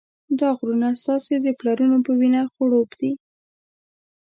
دا غرونه ستاسې د پلرونو په وینه خړوب دي.